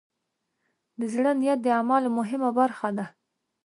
د زړۀ نیت د اعمالو مهمه برخه ده.